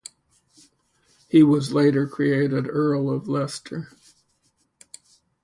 He was later created Earl of Leicester.